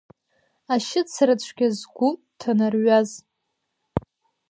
Ашьыцра цәгьа згәы ҭанарҩаз…